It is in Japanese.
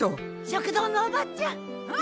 食堂のおばちゃん！